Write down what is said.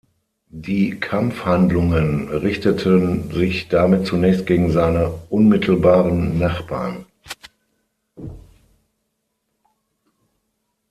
Die Kampfhandlungen richteten sich damit zunächst gegen seine unmittelbaren Nachbarn.